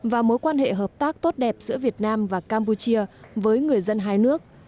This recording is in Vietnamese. và mối quan hệ hợp tác tốt đẹp giữa việt nam và campuchia với người dân hai nước